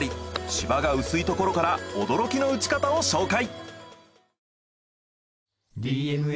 芝が薄いところから驚きの打ち方を紹介。